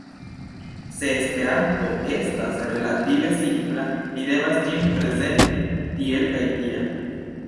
Se Esperanto estas relative simpla, ni devas ĝin prezenti tiel kaj tia.